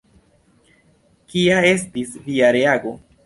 Kia estis via reago?